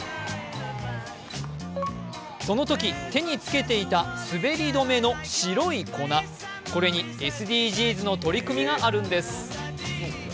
そのとき手につけていた滑り止めの白い粉、これにＳＤＧｓの取り組みがあるんです。